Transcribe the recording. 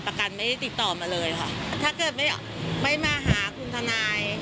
กันไม่ได้ติดต่อมาเลยค่ะถ้าเกิดไม่ไม่มาหาคุณทนาย